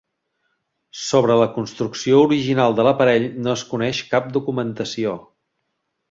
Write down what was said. Sobre la construcció original de l'aparell no es coneix cap documentació.